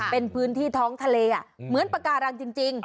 เป็นพื้นที่ท้องทะเลเหมือนปากการังจริง